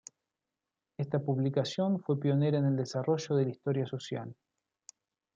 Esta publicación fue pionera en el desarrollo de la historia social.